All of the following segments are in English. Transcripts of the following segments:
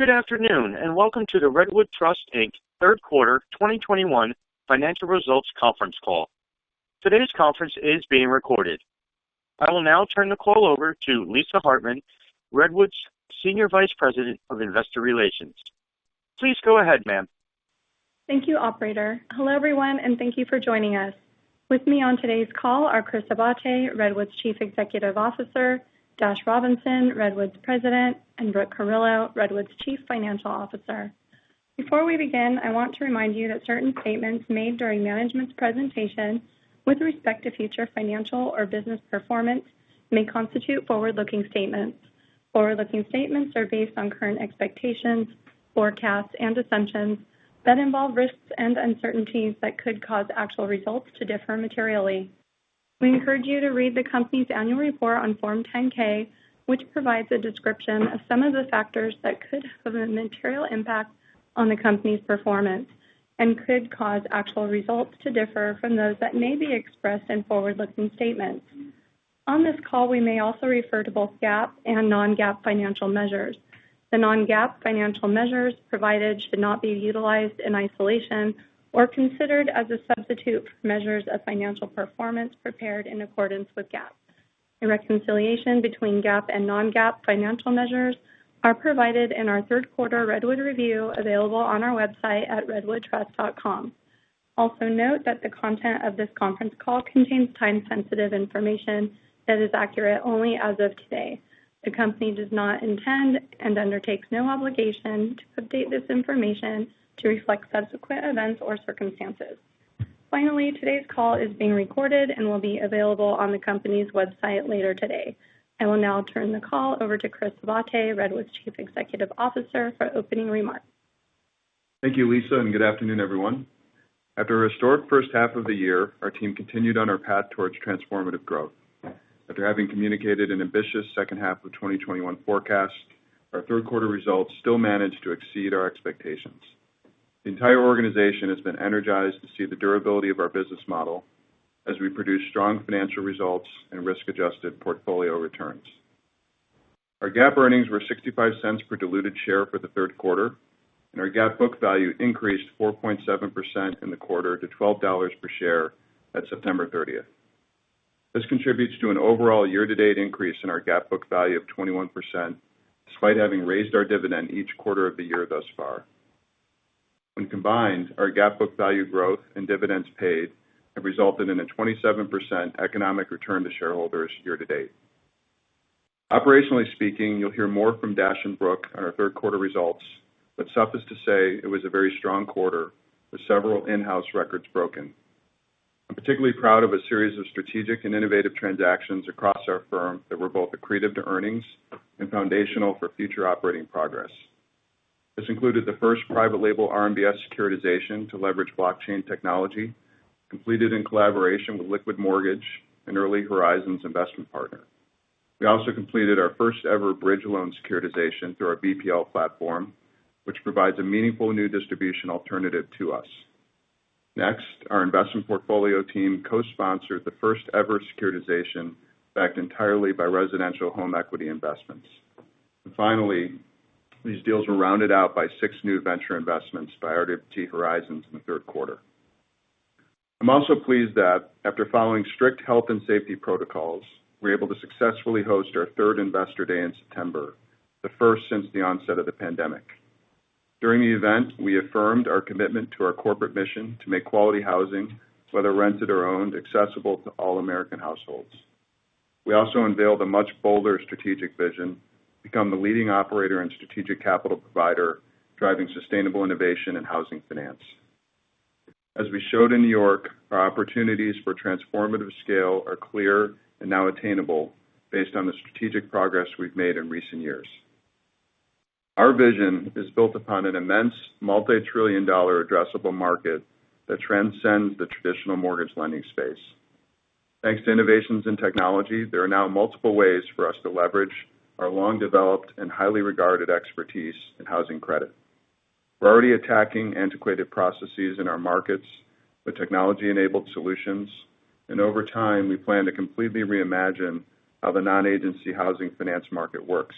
Good afternoon, and welcome to the Redwood Trust, Inc. third quarter 2021 financial results conference call. Today's conference is being recorded. I will now turn the call over to Lisa Hartman, Redwood's Senior Vice President of Investor Relations. Please go ahead, ma'am. Thank you, operator. Hello, everyone, and thank you for joining us. With me on today's call are Chris Abate, Redwood's Chief Executive Officer, Dash Robinson, Redwood's President, and Brooke Carillo, Redwood's Chief Financial Officer. Before we begin, I want to remind you that certain statements made during management's presentation with respect to future financial or business performance may constitute forward-looking statements. Forward-looking statements are based on current expectations, forecasts, and assumptions that involve risks and uncertainties that could cause actual results to differ materially. We encourage you to read the company's annual report on Form 10-K, which provides a description of some of the factors that could have a material impact on the company's performance and could cause actual results to differ from those that may be expressed in forward-looking statements. On this call, we may also refer to both GAAP and non-GAAP financial measures. The non-GAAP financial measures provided should not be utilized in isolation or considered as a substitute for measures of financial performance prepared in accordance with GAAP. The reconciliation between GAAP and non-GAAP financial measures are provided in our third quarter Redwood Review available on our website at redwoodtrust.com. Also note that the content of this conference call contains time-sensitive information that is accurate only as of today. The company does not intend and undertakes no obligation to update this information to reflect subsequent events or circumstances. Finally, today's call is being recorded and will be available on the company's website later today. I will now turn the call over to Chris Abate, Redwood's Chief Executive Officer, for opening remarks. Thank you, Lisa, and good afternoon, everyone. After a historic first half of the year, our team continued on our path towards transformative growth. After having communicated an ambitious second half of 2021 forecast, our third quarter results still managed to exceed our expectations. The entire organization has been energized to see the durability of our business model as we produce strong financial results and risk-adjusted portfolio returns. Our GAAP earnings were $0.65 per diluted share for the third quarter, and our GAAP book value increased 4.7% in the quarter to $12 per share at September 30th. This contributes to an overall year-to-date increase in our GAAP book value of 21%, despite having raised our dividend each quarter of the year thus far. When combined, our GAAP book value growth and dividends paid have resulted in a 27% economic return to shareholders year to date. Operationally speaking, you'll hear more from Dash and Brooke on our third quarter results, but suffice to say it was a very strong quarter with several in-house records broken. I'm particularly proud of a series of strategic and innovative transactions across our firm that were both accretive to earnings and foundational for future operating progress. This included the first private label RMBS securitization to leverage blockchain technology, completed in collaboration with Liquid Mortgage, an early Horizons investment partner. We also completed our first-ever bridge loan securitization through our BPL platform, which provides a meaningful new distribution alternative to us. Next, our investment portfolio team co-sponsored the first-ever securitization backed entirely by residential home equity investments. Finally, these deals were rounded out by six new venture investments by RWT Horizons in the third quarter. I'm also pleased that after following strict health and safety protocols, we're able to successfully host our third Investor Day in September, the first since the onset of the pandemic. During the event, we affirmed our commitment to our corporate mission to make quality housing, whether rented or owned, accessible to all American households. We also unveiled a much bolder strategic vision to become the leading operator and strategic capital provider, driving sustainable innovation in housing finance. As we showed in New York, our opportunities for transformative scale are clear and now attainable based on the strategic progress we've made in recent years. Our vision is built upon an immense multi-trillion-dollar addressable market that transcends the traditional mortgage lending space. Thanks to innovations in technology, there are now multiple ways for us to leverage our long-developed and highly regarded expertise in housing credit. We're already attacking antiquated processes in our markets with technology-enabled solutions, and over time, we plan to completely reimagine how the non-agency housing finance market works.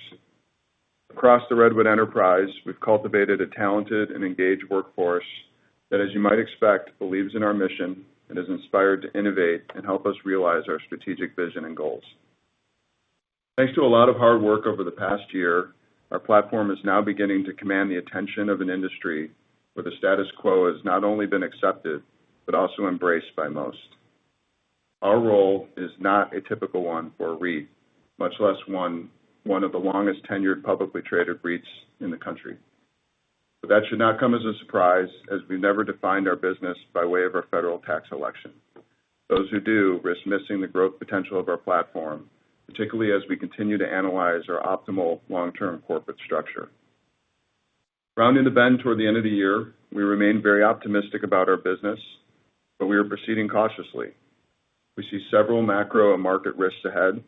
Across the Redwood enterprise, we've cultivated a talented and engaged workforce that, as you might expect, believes in our mission and is inspired to innovate and help us realize our strategic vision and goals. Thanks to a lot of hard work over the past year, our platform is now beginning to command the attention of an industry where the status quo has not only been accepted, but also embraced by most. Our role is not a typical one for a REIT, much less one of the longest-tenured publicly traded REITs in the country. That should not come as a surprise as we never defined our business by way of our federal tax election. Those who do risk missing the growth potential of our platform, particularly as we continue to analyze our optimal long-term corporate structure. Rounding the bend toward the end of the year, we remain very optimistic about our business, but we are proceeding cautiously. We see several macro and market risks ahead,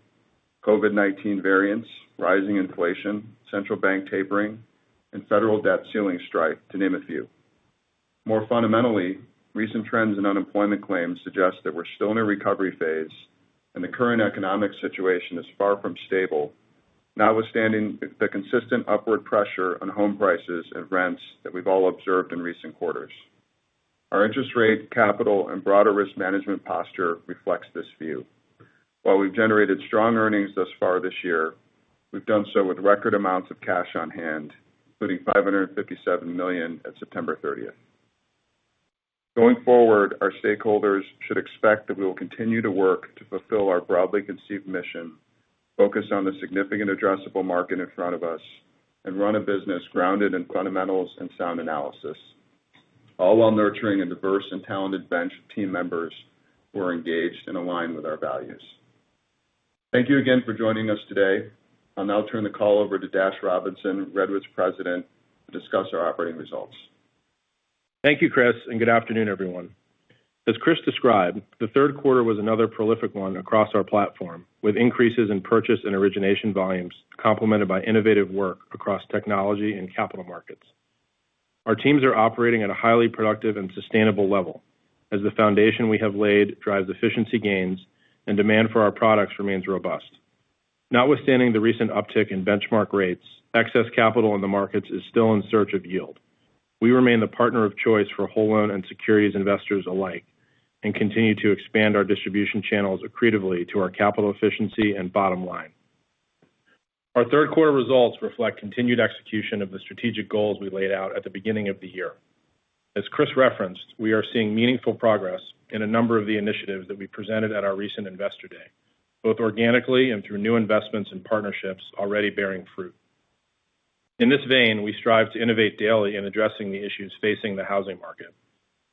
COVID-19 variants, rising inflation, central bank tapering, and federal debt ceiling strife, to name a few. More fundamentally, recent trends in unemployment claims suggest that we're still in a recovery phase, and the current economic situation is far from stable, notwithstanding the consistent upward pressure on home prices and rents that we've all observed in recent quarters. Our interest rate, capital, and broader risk management posture reflects this view. While we've generated strong earnings thus far this year, we've done so with record amounts of cash on hand, including $557 million at September 30th. Going forward, our stakeholders should expect that we will continue to work to fulfill our broadly conceived mission focused on the significant addressable market in front of us and run a business grounded in fundamentals and sound analysis, all while nurturing a diverse and talented bench of team members who are engaged and aligned with our values. Thank you again for joining us today. I'll now turn the call over to Dash Robinson, Redwood's President, to discuss our operating results. Thank you, Chris, and good afternoon, everyone. As Chris described, the third quarter was another prolific one across our platform, with increases in purchase and origination volumes, complemented by innovative work across technology and capital markets. Our teams are operating at a highly productive and sustainable level as the foundation we have laid drives efficiency gains and demand for our products remains robust. Notwithstanding the recent uptick in benchmark rates, excess capital in the markets is still in search of yield. We remain the partner of choice for whole loan and securities investors alike and continue to expand our distribution channels accretively to our capital efficiency and bottom line. Our third quarter results reflect continued execution of the strategic goals we laid out at the beginning of the year. As Chris referenced, we are seeing meaningful progress in a number of the initiatives that we presented at our recent Investor Day, both organically and through new investments and partnerships already bearing fruit. In this vein, we strive to innovate daily in addressing the issues facing the housing market,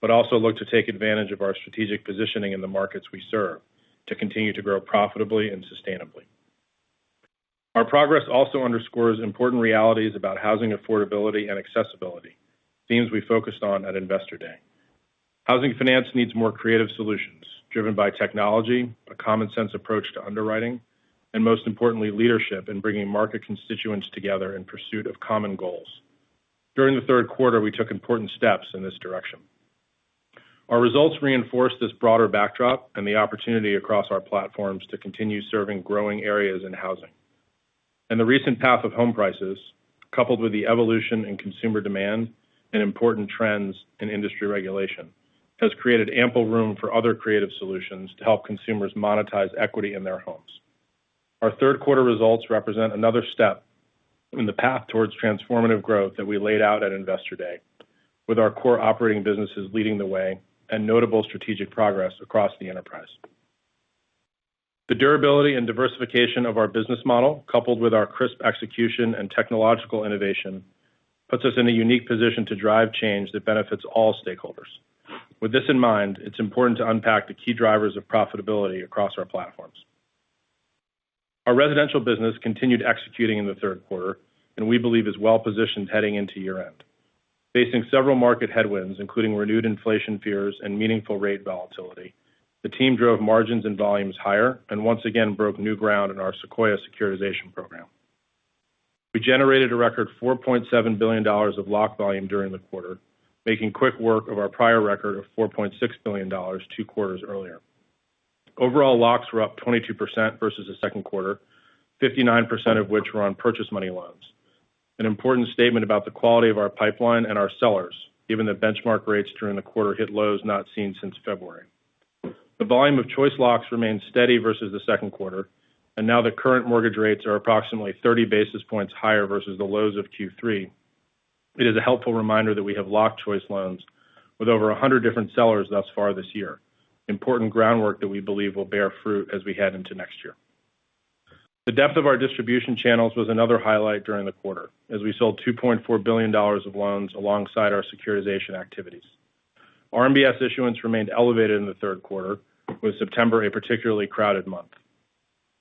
but also look to take advantage of our strategic positioning in the markets we serve to continue to grow profitably and sustainably. Our progress also underscores important realities about housing affordability and accessibility, themes we focused on at Investor Day. Housing finance needs more creative solutions driven by technology, a common-sense approach to underwriting, and most importantly, leadership in bringing market constituents together in pursuit of common goals. During the third quarter, we took important steps in this direction. Our results reinforce this broader backdrop and the opportunity across our platforms to continue serving growing areas in housing. The recent path of home prices, coupled with the evolution in consumer demand and important trends in industry regulation, has created ample room for other creative solutions to help consumers monetize equity in their homes. Our third quarter results represent another step in the path towards transformative growth that we laid out at Investor Day with our core operating businesses leading the way and notable strategic progress across the enterprise. The durability and diversification of our business model, coupled with our crisp execution and technological innovation, puts us in a unique position to drive change that benefits all stakeholders. With this in mind, it's important to unpack the key drivers of profitability across our platforms. Our residential business continued executing in the third quarter, and we believe is well-positioned heading into year-end. Facing several market headwinds, including renewed inflation fears and meaningful rate volatility, the team drove margins and volumes higher and once again broke new ground in our Sequoia securitization program. We generated a record $4.7 billion of locked volume during the quarter, making quick work of our prior record of $4.6 billion two quarters earlier. Overall locks were up 22% versus the second quarter, 59% of which were on purchase money loans. An important statement about the quality of our pipeline and our sellers, given that benchmark rates during the quarter hit lows not seen since February. The volume of Choice locks remained steady versus the second quarter, and now that current mortgage rates are approximately 30 basis points higher versus the lows of Q3, it is a helpful reminder that we have locked Choice loans with over 100 different sellers thus far this year, important groundwork that we believe will bear fruit as we head into next year. The depth of our distribution channels was another highlight during the quarter as we sold $2.4 billion of loans alongside our securitization activities. RMBS issuance remained elevated in the third quarter, with September a particularly crowded month.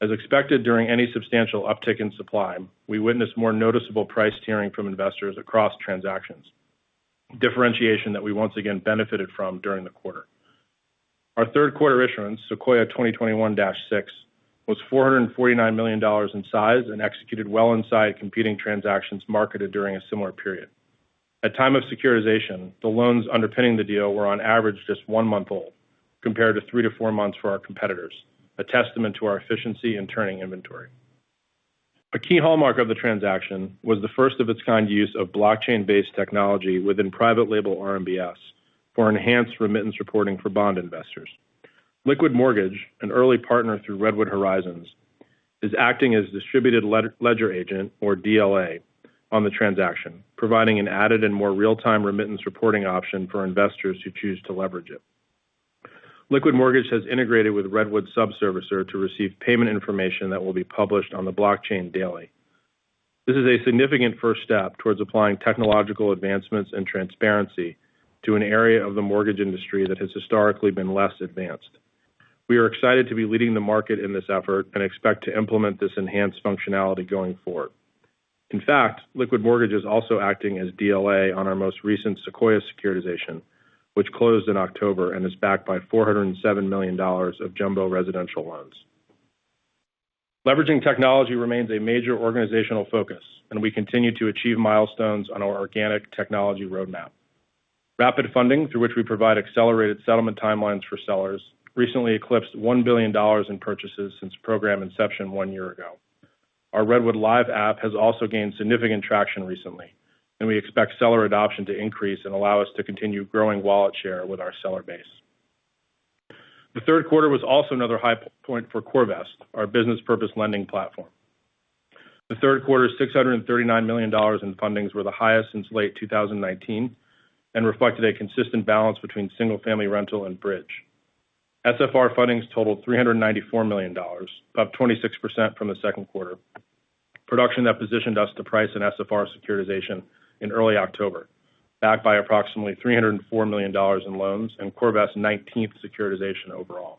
As expected, during any substantial uptick in supply, we witnessed more noticeable price tiering from investors across transactions, differentiation that we once again benefited from during the quarter. Our third quarter issuance, Sequoia 2021-6, was $449 million in size and executed well inside competing transactions marketed during a similar period. At time of securitization, the loans underpinning the deal were on average just one month old, compared to three-four months for our competitors, a testament to our efficiency in turning inventory. A key hallmark of the transaction was the first of its kind use of blockchain-based technology within private label RMBS for enhanced remittance reporting for bond investors. Liquid Mortgage, an early partner through Redwood Horizons, is acting as distributed ledger agent or DLA on the transaction, providing an added and more real-time remittance reporting option for investors who choose to leverage it. Liquid Mortgage has integrated with Redwood sub-servicer to receive payment information that will be published on the blockchain daily. This is a significant first step towards applying technological advancements and transparency to an area of the mortgage industry that has historically been less advanced. We are excited to be leading the market in this effort and expect to implement this enhanced functionality going forward. In fact, Liquid Mortgage is also acting as DLA on our most recent Sequoia securitization, which closed in October and is backed by $407 million of jumbo residential loans. Leveraging technology remains a major organizational focus, and we continue to achieve milestones on our organic technology roadmap. Rapid Funding, through which we provide accelerated settlement timelines for sellers, recently eclipsed $1 billion in purchases since program inception one year ago. Our RedwoodLive app has also gained significant traction recently, and we expect seller adoption to increase and allow us to continue growing wallet share with our seller base. The third quarter was also another high point for CoreVest, our Business-Purpose Lending platform. The third quarter's $639 million in fundings were the highest since late 2019 and reflected a consistent balance between single-family rental and bridge. SFR fundings totaled $394 million, up 26% from the second quarter, production that positioned us to price an SFR securitization in early October, backed by approximately $304 million in loans and CoreVest's 19th securitization overall.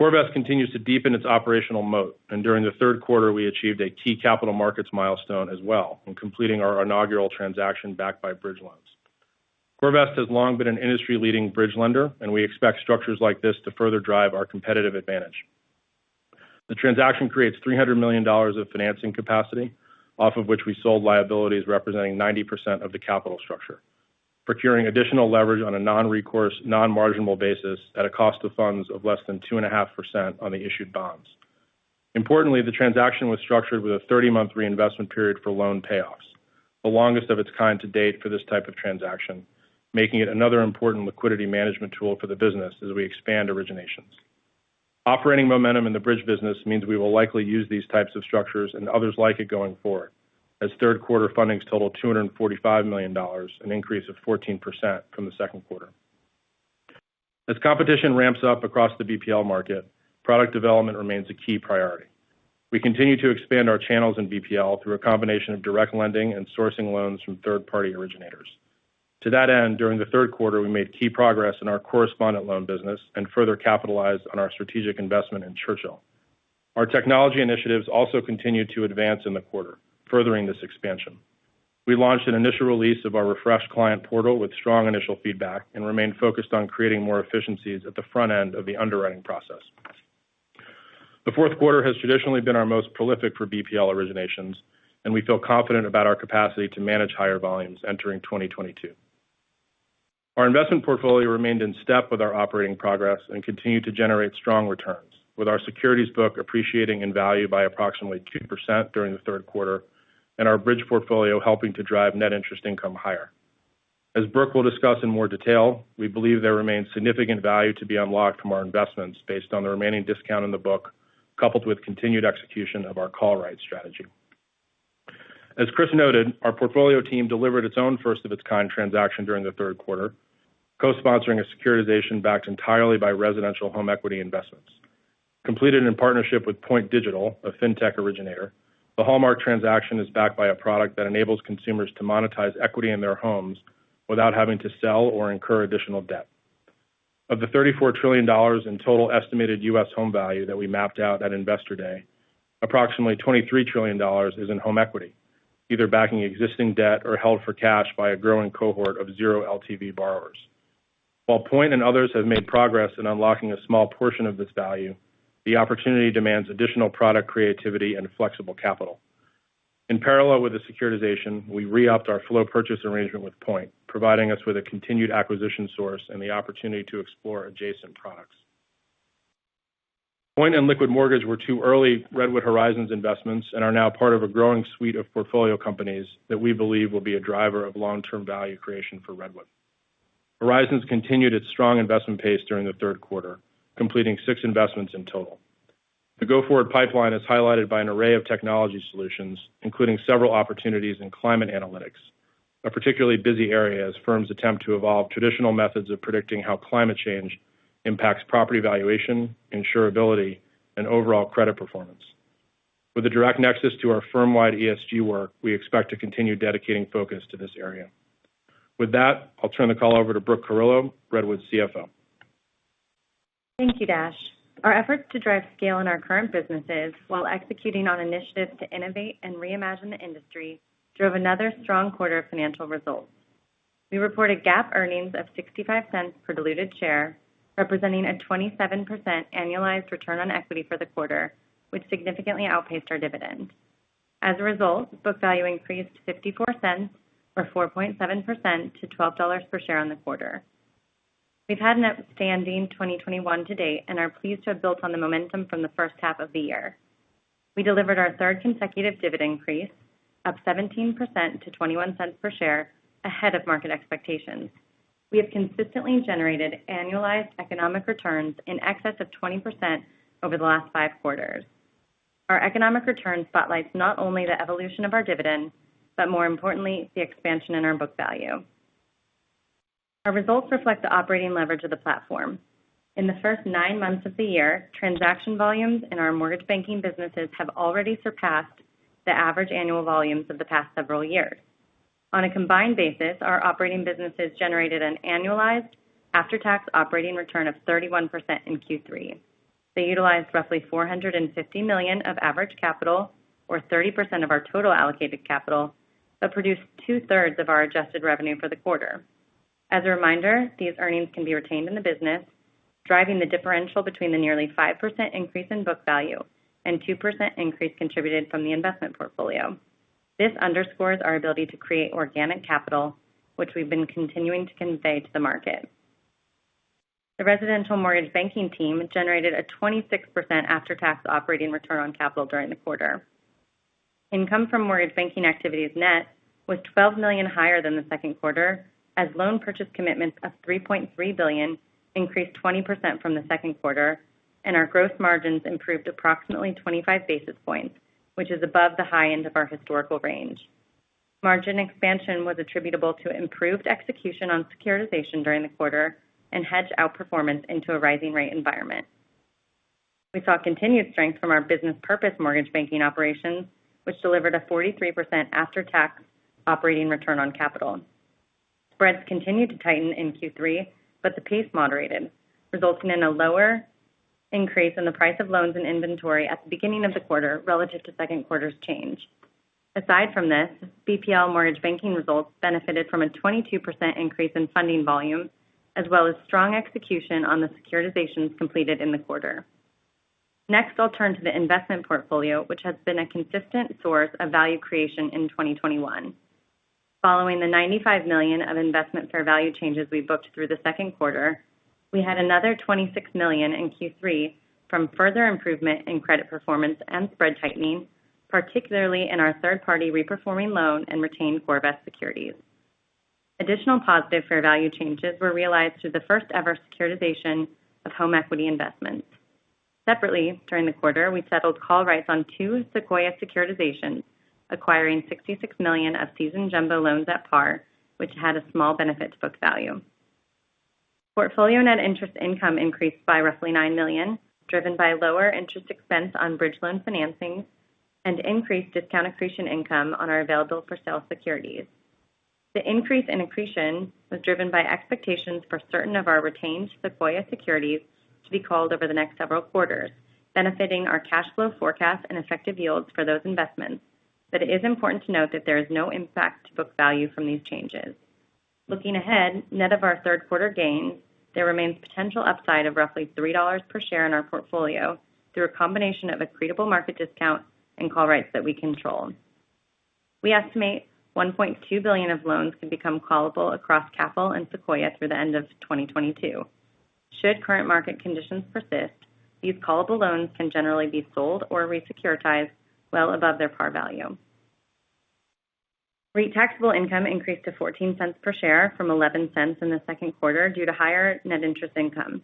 CoreVest continues to deepen its operational moat, and during the third quarter, we achieved a key capital markets milestone as well in completing our inaugural transaction backed by bridge loans. CoreVest has long been an industry-leading bridge lender, and we expect structures like this to further drive our competitive advantage. The transaction creates $300 million of financing capacity, off of which we sold liabilities representing 90% of the capital structure, procuring additional leverage on a non-recourse, non-marginal basis at a cost of funds of less than 2.5% on the issued bonds. Importantly, the transaction was structured with a 30-month reinvestment period for loan payoffs, the longest of its kind to date for this type of transaction, making it another important liquidity management tool for the business as we expand originations. Operating momentum in the bridge business means we will likely use these types of structures and others like it going forward, as third quarter fundings total $245 million, an increase of 14% from the second quarter. As competition ramps up across the BPL market, product development remains a key priority. We continue to expand our channels in BPL through a combination of direct lending and sourcing loans from third-party originators. To that end, during the third quarter, we made key progress in our correspondent loan business and further capitalized on our strategic investment in Churchill. Our technology initiatives also continued to advance in the quarter, furthering this expansion. We launched an initial release of our refreshed client portal with strong initial feedback and remain focused on creating more efficiencies at the front end of the underwriting process. The fourth quarter has traditionally been our most prolific for BPL originations, and we feel confident about our capacity to manage higher volumes entering 2022. Our investment portfolio remained in step with our operating progress and continued to generate strong returns, with our securities book appreciating in value by approximately 2% during the third quarter and our bridge portfolio helping to drive net interest income higher. As Brooke will discuss in more detail, we believe there remains significant value to be unlocked from our investments based on the remaining discount in the book, coupled with continued execution of our call right strategy. As Chris noted, our portfolio team delivered its own first-of-its-kind transaction during the third quarter, co-sponsoring a securitization backed entirely by residential home equity investments. Completed in partnership with Point Digital, a fintech originator, the hallmark transaction is backed by a product that enables consumers to monetize equity in their homes without having to sell or incur additional debt. Of the $34 trillion in total estimated U.S. home value that we mapped out at Investor Day, approximately $23 trillion is in home equity, either backing existing debt or held for cash by a growing cohort of zero LTV borrowers. While Point and others have made progress in unlocking a small portion of this value, the opportunity demands additional product creativity and flexible capital. In parallel with the securitization, we re-upped our flow purchase arrangement with Point, providing us with a continued acquisition source and the opportunity to explore adjacent products. Point and Liquid Mortgage were two early Redwood Horizons investments and are now part of a growing suite of portfolio companies that we believe will be a driver of long-term value creation for Redwood. Horizons continued its strong investment pace during the third quarter, completing six investments in total. The go-forward pipeline is highlighted by an array of technology solutions, including several opportunities in climate analytics, a particularly busy area as firms attempt to evolve traditional methods of predicting how climate change impacts property valuation, insurability, and overall credit performance. With the direct nexus to our firm-wide ESG work, we expect to continue dedicating focus to this area. With that, I'll turn the call over to Brooke Carillo, Redwood's CFO. Thank you, Dash. Our efforts to drive scale in our current businesses while executing on initiatives to innovate and reimagine the industry drove another strong quarter of financial results. We reported GAAP earnings of $0.65 per diluted share, representing a 27% annualized return on equity for the quarter, which significantly outpaced our dividend. As a result, book value increased $0.54 or 4.7% to $12 per share on the quarter. We've had an outstanding 2021 to date and are pleased to have built on the momentum from the first half of the year. We delivered our third consecutive dividend increase, up 17% to $0.21 per share, ahead of market expectations. We have consistently generated annualized economic returns in excess of 20% over the last five quarters. Our economic return spotlights not only the evolution of our dividend, but more importantly, the expansion in our book value. Our results reflect the operating leverage of the platform. In the first nine months of the year, transaction volumes in our mortgage banking businesses have already surpassed the average annual volumes of the past several years. On a combined basis, our operating businesses generated an annualized after-tax operating return of 31% in Q3. They utilized roughly $450 million of average capital or 30% of our total allocated capital, but produced two-thirds of our adjusted revenue for the quarter. As a reminder, these earnings can be retained in the business, driving the differential between the nearly 5% increase in book value and 2% increase contributed from the investment portfolio. This underscores our ability to create organic capital, which we've been continuing to convey to the market. The residential mortgage banking team generated a 26% after-tax operating return on capital during the quarter. Income from mortgage banking activities net was $12 million higher than the second quarter as loan purchase commitments of $3.3 billion increased 20% from the second quarter and our gross margins improved approximately 25 basis points, which is above the high end of our historical range. Margin expansion was attributable to improved execution on securitization during the quarter and hedge outperformance into a rising rate environment. We saw continued strength from our business purpose mortgage banking operations, which delivered a 43% after-tax operating return on capital. Spreads continued to tighten in Q3, but the pace moderated, resulting in a lower increase in the price of loans and inventory at the beginning of the quarter relative to second quarter's change. Aside from this, BPL mortgage banking results benefited from a 22% increase in funding volume, as well as strong execution on the securitizations completed in the quarter. Next, I'll turn to the investment portfolio, which has been a consistent source of value creation in 2021. Following the $95 million of investment fair value changes we booked through the second quarter, we had another $26 million in Q3 from further improvement in credit performance and spread tightening, particularly in our third-party reperforming loan and retained CoreVest securities. Additional positive fair value changes were realized through the first-ever securitization of home equity investments. Separately, during the quarter, we settled call rights on two Sequoia securitizations, acquiring $66 million of seasoned jumbo loans at par, which had a small benefit to book value. Portfolio net interest income increased by roughly $9 million, driven by lower interest expense on bridge loan financings and increased discount accretion income on our available-for-sale securities. The increase in accretion was driven by expectations for certain of our retained Sequoia securities to be called over the next several quarters, benefiting our cash flow forecast and effective yields for those investments. It is important to note that there is no impact to book value from these changes. Looking ahead, net of our third quarter gains, there remains potential upside of roughly $3 per share in our portfolio through a combination of accretable market discount and call rights that we control. We estimate $1.2 billion of loans can become callable across CAFL and Sequoia through the end of 2022. Should current market conditions persist, these callable loans can generally be sold or re-securitized well above their par value. REIT taxable income increased to $0.14 per share from $0.11 in the second quarter due to higher net interest income.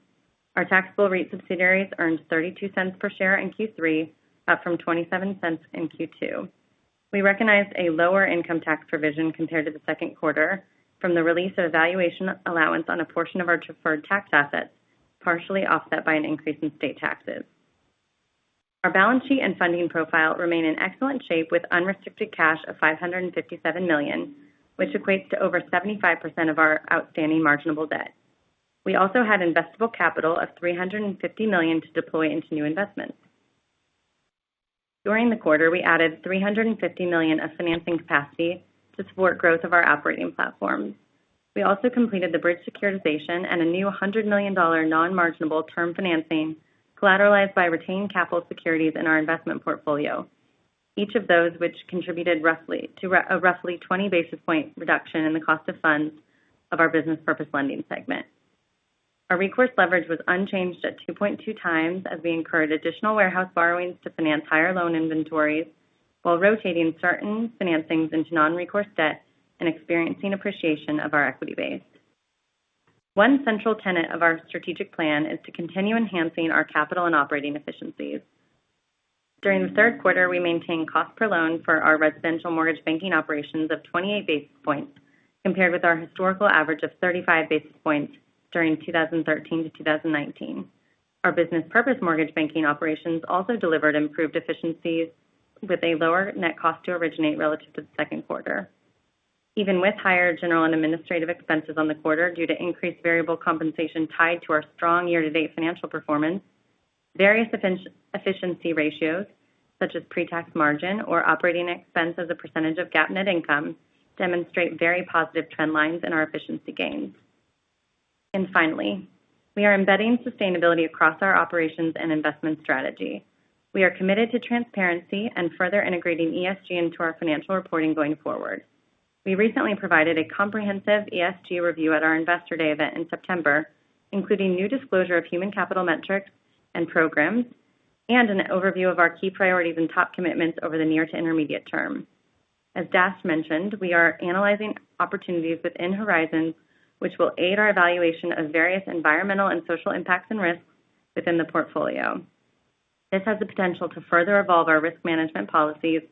Our taxable REIT subsidiaries earned $0.32 per share in Q3, up from $0.27 in Q2. We recognized a lower income tax provision compared to the second quarter from the release of a valuation allowance on a portion of our deferred tax assets, partially offset by an increase in state taxes. Our balance sheet and funding profile remain in excellent shape with unrestricted cash of $557 million, which equates to over 75% of our outstanding marginable debt. We had investable capital of $350 million to deploy into new investments. During the quarter, we added $350 million of financing capacity to support growth of our operating platforms. We also completed the bridge securitization and a new $100 million non-marginable term financing collateralized by retained capital securities in our investment portfolio. Each of those which contributed roughly 20 basis point reduction in the cost of funds of our Business-Purpose Lending segment. Our recourse leverage was unchanged at 2.2 times as we incurred additional warehouse borrowings to finance higher loan inventories while rotating certain financings into non-recourse debt and experiencing appreciation of our equity base. One central tenet of our strategic plan is to continue enhancing our capital and operating efficiencies. During the third quarter, we maintained cost per loan for our residential mortgage banking operations of 28 basis points compared with our historical average of 35 basis points during 2013-2019. Our business purpose mortgage banking operations also delivered improved efficiencies with a lower net cost to originate relative to the second quarter. Even with higher general and administrative expenses on the quarter due to increased variable compensation tied to our strong year-to-date financial performance, various efficiency ratios, such as pre-tax margin or operating expense as a percentage of GAAP net income, demonstrate very positive trend lines in our efficiency gains. Finally, we are embedding sustainability across our operations and investment strategy. We are committed to transparency and further integrating ESG into our financial reporting going forward. We recently provided a comprehensive ESG review at our Investor Day event in September, including new disclosure of human capital metrics and programs and an overview of our key priorities and top commitments over the near to intermediate term. As Dash mentioned, we are analyzing opportunities within Horizons which will aid our evaluation of various environmental and social impacts and risks within the portfolio. This has the potential to further evolve our risk management policies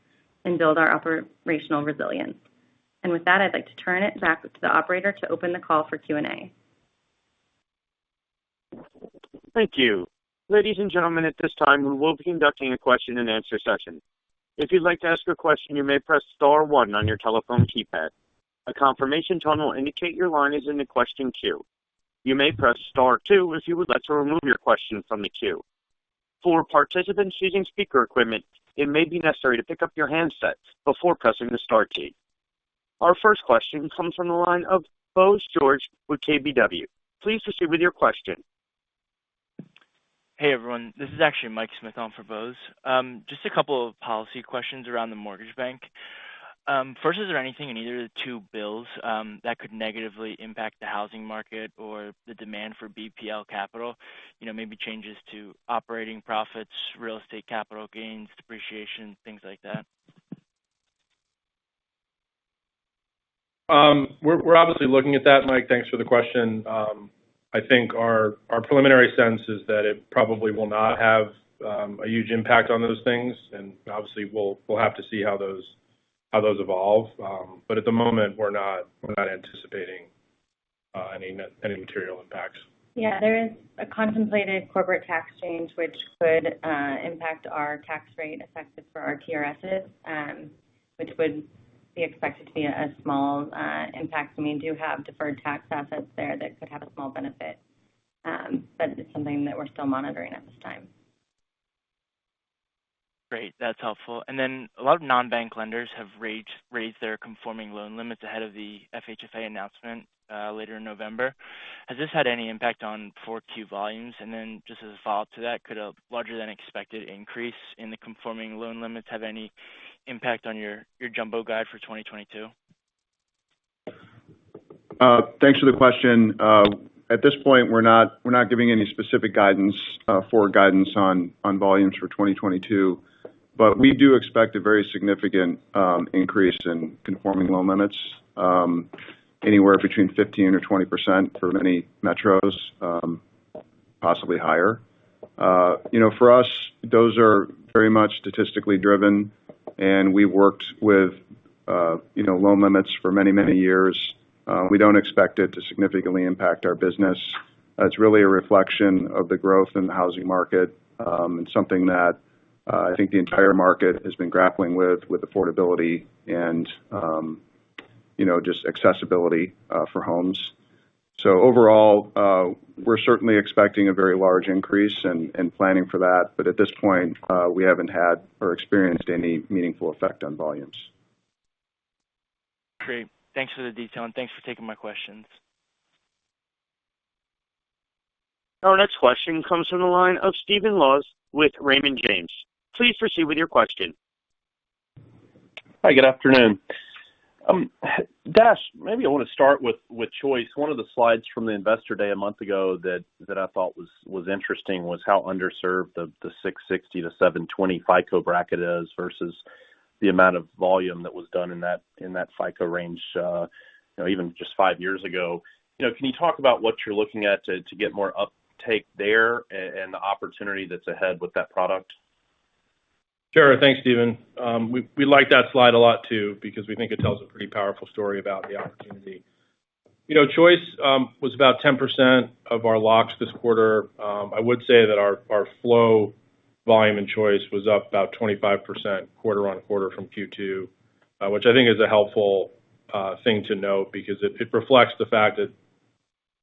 and build our operational resilience. With that, I'd like to turn it back to the operator to open the call for Q&A. Thank you. Ladies and gentlemen, at this time, we will be conducting a question-and-answer session. If you'd like to ask a question, you may press star one on your telephone keypad. A confirmation tone will indicate your line is in the question queue. You may press star two if you would like to remove your question from the queue. For participants using speaker equipment, it may be necessary to pick up your handset before pressing the star key. Our first question comes from the line of Bose George with KBW. Please proceed with your question. Hey, everyone. This is actually Mike Smith on for Bose. Just a couple of policy questions around the mortgage bank. First, is there anything in either of the two bills that could negatively impact the housing market or the demand for BPL capital? You know, maybe changes to operating profits, real estate capital gains, depreciation, things like that. We're obviously looking at that, Mike. Thanks for the question. I think our preliminary sense is that it probably will not have a huge impact on those things. Obviously, we'll have to see how those evolve. At the moment, we're not anticipating any material impacts. Yeah, there is a contemplated corporate tax change which could impact our tax rate effective for our TRS', which would be expected to be a small impact. I mean, do have deferred tax assets there that could have a small benefit. It's something that we're still monitoring at this time. Great. That's helpful. A lot of non-bank lenders have raised their conforming loan limits ahead of the FHFA announcement later in November. Has this had any impact on 4Q volumes? Just as a follow-up to that, could a larger than expected increase in the conforming loan limits have any impact on your jumbo guide for 2022? Thanks for the question. At this point, we're not giving any specific guidance, forward guidance on volumes for 2022. We do expect a very significant increase in conforming loan limits, anywhere between 15%-20% for many metros, possibly higher. For us, those are very much statistically driven, and we worked with loan limits for many years. We don't expect it to significantly impact our business. That's really a reflection of the growth in the housing market, and something that I think the entire market has been grappling with affordability and, you know, just accessibility for homes. Overall, we're certainly expecting a very large increase and planning for that. At this point, we haven't had or experienced any meaningful effect on volumes. Great. Thanks for the detail, and thanks for taking my questions. Our next question comes from the line of Stephen Laws with Raymond James. Please proceed with your question. Hi, good afternoon. Dash, maybe I wanna start with Choice. One of the slides from the Investor Day a month ago that I thought was interesting was how underserved the 660-720 FICO bracket is versus the amount of volume that was done in that FICO range, even just five years ago. Can you talk about what you're looking at to get more uptake there and the opportunity that's ahead with that product? Sure. Thanks, Stephen. We like that slide a lot too because we think it tells a pretty powerful story about the opportunity. You know, Choice was about 10% of our locks this quarter. I would say that our flow volume in Choice was up about 25% quarter on quarter from Q2, which I think is a helpful thing to note because it reflects the fact that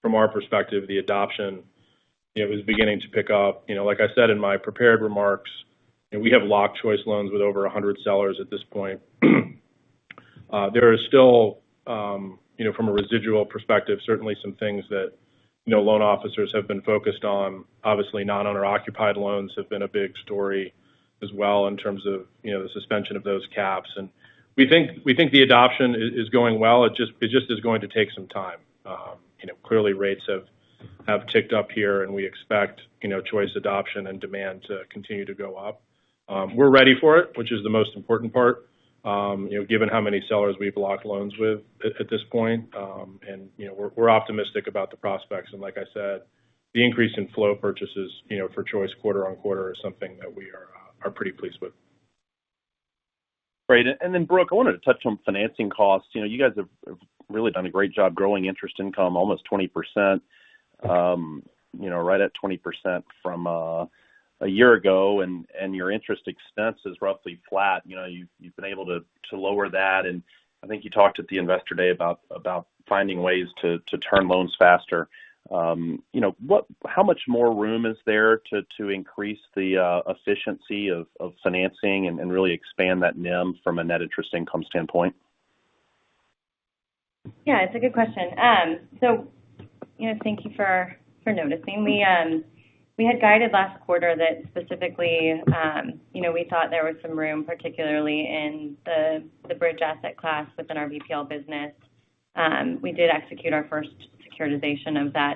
from our perspective, the adoption it was beginning to pick up. You know, like I said in my prepared remarks, we have locked Choice loans with over 100 sellers at this point. There are still, you know, from a residual perspective, certainly some things that, you know, loan officers have been focused on. Obviously, non-owner occupied loans have been a big story as well in terms of, you know, the suspension of those caps. We think the adoption is going well. It just is going to take some time. Clearly rates have ticked up here, and we expect, you know, Choice adoption and demand to continue to go up. We're ready for it, which is the most important part, you know, given how many sellers we've locked loans with at this point. You know, we're optimistic about the prospects. Like I said, the increase in flow purchases, you know, for Choice quarter-over-quarter is something that we are pretty pleased with. Great. Brooke, I wanted to touch on financing costs. You know, you guys have really done a great job growing interest income almost 20%, you know, right at 20% from a year ago, and your interest expense is roughly flat. You know, you've been able to lower that. I think you talked at the Investor Day about finding ways to turn loans faster. You know, how much more room is there to increase the efficiency of financing and really expand that NIM from a net interest income standpoint? Yeah, it's a good question. You know, thank you for noticing. We had guided last quarter that specifically, you know, we thought there was some room, particularly in the bridge asset class within our BPL business. We did execute our first securitization of that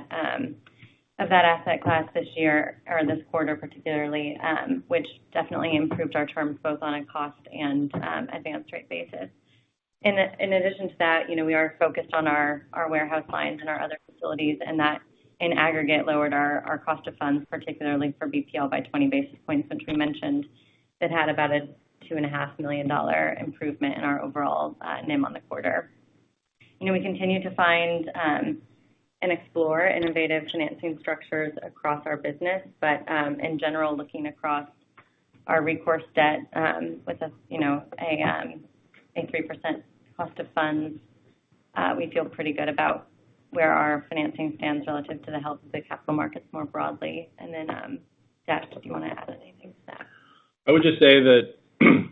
asset class this year or this quarter, particularly, which definitely improved our terms both on a cost and advanced rate basis. In addition to that, you know, we are focused on our warehouse lines and our other facilities, and that in aggregate lowered our cost of funds, particularly for BPL by 20 basis points, which we mentioned that had about a $2.5 million improvement in our overall NIM on the quarter. You know, we continue to find and explore innovative financing structures across our business. In general, looking across our recourse debt with a 3% cost of funds, we feel pretty good about where our financing stands relative to the health of the capital markets more broadly. Then, Dash, if you wanna add anything to that. I would just say that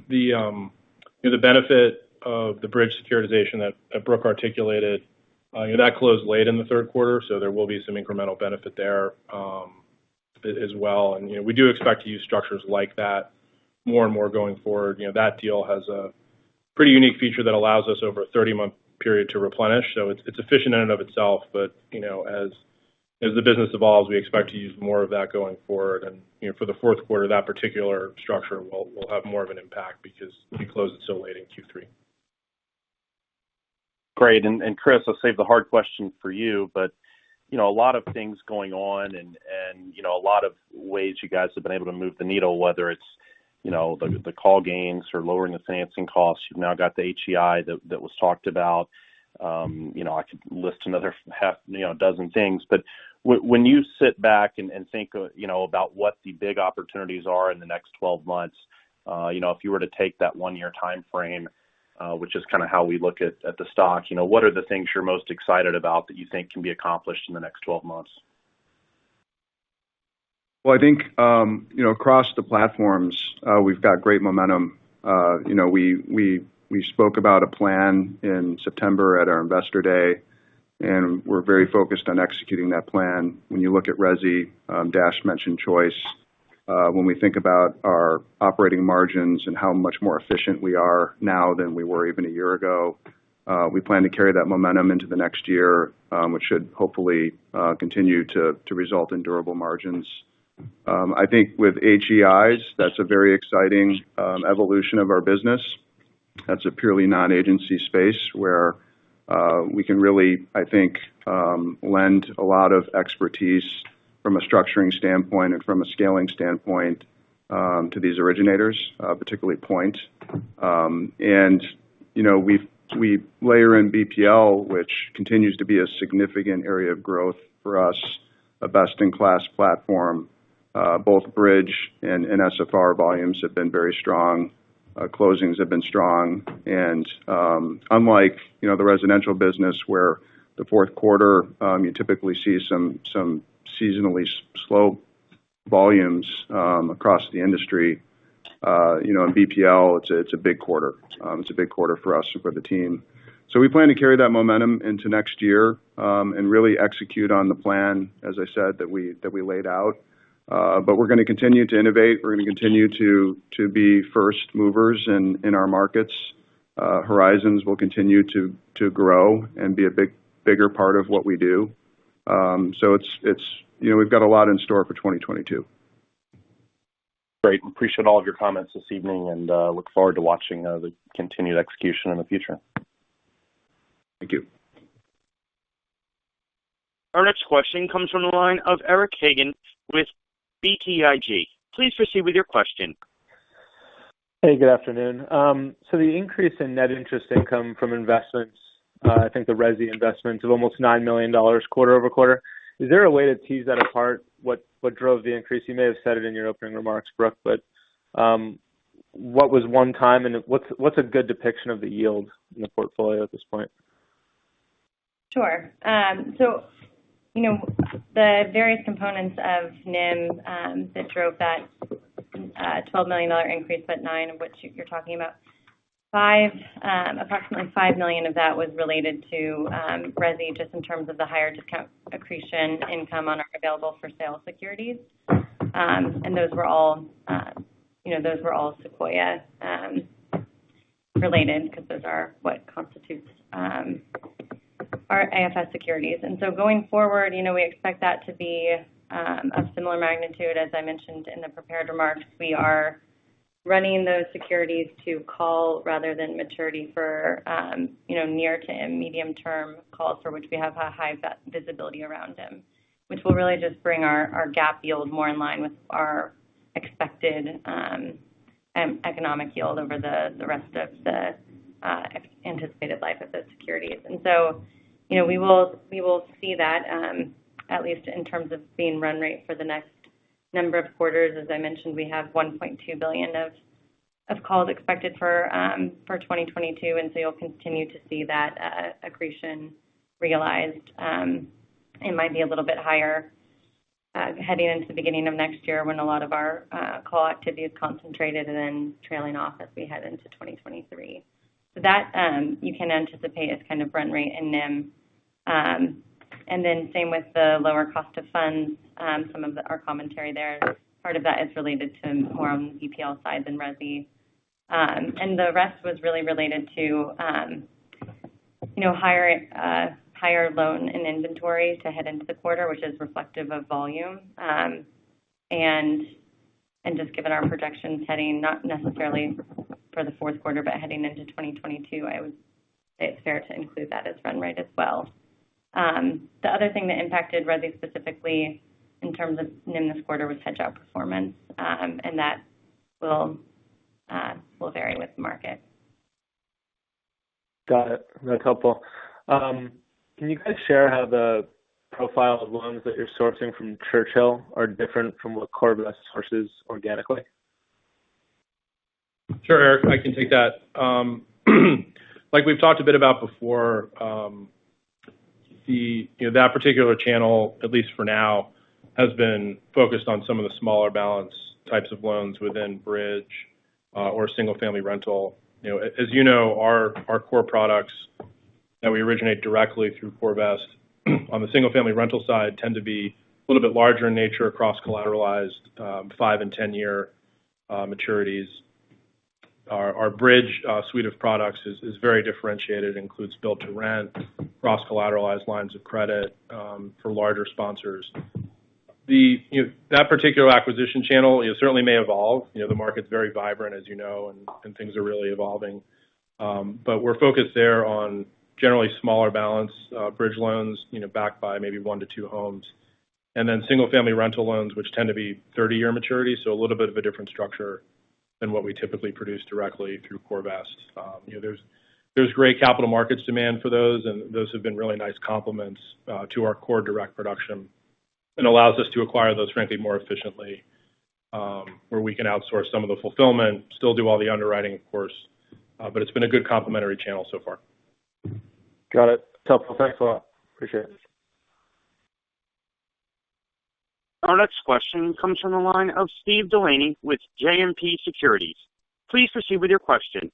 the, you know, the benefit of the bridge securitization that Brooke articulated, you know, that closed late in the third quarter, so there will be some incremental benefit there, as well. You know, we do expect to use structures like that more and more going forward. You know, that deal has a pretty unique feature that allows us over a 30-month period to replenish. It's efficient in and of itself, but, you know, as the business evolves, we expect to use more of that going forward. You know, for the fourth quarter, that particular structure will have more of an impact because we closed it so late in Q3. Great. Chris, I'll save the hard question for you. You know, a lot of things going on, you know, a lot of ways you guys have been able to move the needle, whether it's, you know, the call gains or lowering the financing costs. You've now got the HEI that was talked about. You know, I could list another half, you know, dozen things. When you sit back and think, you know, about what the big opportunities are in the next 12 months, you know, if you were to take that one-year timeframe, which is kinda how we look at the stock, you know, what are the things you're most excited about that you think can be accomplished in the next 12 months? Well, I think, you know, across the platforms, we've got great momentum. You know, we spoke about a plan in September at our Investor Day, and we're very focused on executing that plan. When you look at resi, Dash mentioned Choice. When we think about our operating margins and how much more efficient we are now than we were even a year ago, we plan to carry that momentum into the next year, which should hopefully continue to result in durable margins. I think with HEIs, that's a very exciting evolution of our business. That's a purely non-agency space where we can really, I think, lend a lot of expertise from a structuring standpoint and from a scaling standpoint to these originators, particularly Point. You know, we layer in BPL, which continues to be a significant area of growth for us, a best-in-class platform. Both Bridge and SFR volumes have been very strong. Closings have been strong. Unlike, you know, the residential business where the fourth quarter, you typically see some seasonally slow volumes across the industry, you know, in BPL, it's a big quarter. It's a big quarter for us and for the team. We plan to carry that momentum into next year and really execute on the plan, as I said, that we laid out. We're gonna continue to innovate. We're gonna continue to be first movers in our markets. Horizons will continue to grow and be a bigger part of what we do. You know, we've got a lot in store for 2022. Great. Appreciate all of your comments this evening, and look forward to watching the continued execution in the future. Thank you. Our next question comes from the line of Eric Hagen with BTIG. Please proceed with your question. Hey, good afternoon. The increase in net interest income from investments, I think the resi investments of almost $9 million quarter-over-quarter, is there a way to tease that apart? What drove the increase? You may have said it in your opening remarks, Brooke, but, what was one time, and what's a good depiction of the yield in the portfolio at this point? Sure. You know, the various components of NIM that drove that $12 million increase, but $9 million of which you're talking about, $5 million, approximately $5 million of that was related to resi just in terms of the higher discount accretion income on our available-for-sale securities. Those were all, you know, those were all Sequoia related because those are what constitutes our AFS securities. Going forward, you know, we expect that to be a similar magnitude. As I mentioned in the prepared remarks, we are running those securities to call rather than maturity for, you know, near to medium term calls for which we have a high visibility around them, which will really just bring our gap yield more in line with our expected economic yield over the rest of the anticipated life of those securities. You know, we will see that, at least in terms of being run rate for the next number of quarters. As I mentioned, we have $1.2 billion of calls expected for 2022, and so you'll continue to see that accretion realized. It might be a little bit higher, heading into the beginning of next year when a lot of our call activity is concentrated and then trailing off as we head into 2023. That you can anticipate as kind of run rate in NIM. Same with the lower cost of funds. Our commentary there, part of that is related to more on the BPL side than resi. The rest was really related to, you know, higher loan and inventory to head into the quarter, which is reflective of volume. Just given our projections heading not necessarily for the fourth quarter, but heading into 2022, I would say it's fair to include that as run rate as well. The other thing that impacted resi specifically in terms of NIM this quarter was hedge outperformance, and that will vary with market. Got it. That's helpful. Can you guys share how the profile of loans that you're sourcing from Churchill are different from what CoreVest sources organically? Sure, Eric, I can take that. Like we've talked a bit about before, the you know, that particular channel, at least for now, has been focused on some of the smaller balance types of loans within Bridge or single-family rental. You know, as you know, our core products that we originate directly through CoreVest on the single-family rental side tend to be a little bit larger in nature across collateralized five- and ten-year maturities. Our Bridge suite of products is very differentiated, includes build to rent, cross-collateralized lines of credit for larger sponsors. You know, that particular acquisition channel, it certainly may evolve. You know, the market's very vibrant, as you know, and things are really evolving. But we're focused there on generally smaller balance bridge loans, you know, backed by maybe one to two homes. Single-family rental loans, which tend to be 30-year maturity, so a little bit of a different structure than what we typically produce directly through CoreVest. You know, there's great capital markets demand for those, and those have been really nice complements to our core direct production. It allows us to acquire those, frankly, more efficiently, where we can outsource some of the fulfillment, still do all the underwriting, of course. It's been a good complementary channel so far. Got it. Helpful. Thanks a lot. Appreciate it. Our next question comes from the line of Steve DeLaney with JMP Securities. Please proceed with your question.